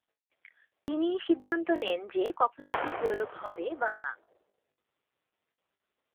তিনিই সিদ্ধান্ত নেন যে, কখন এটি প্রয়োগ হবে বা না।